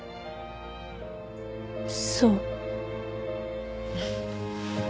そう。